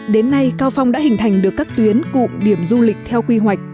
đến nay cao phong đã hình thành được các tuyến cụm điểm du lịch theo quy hoạch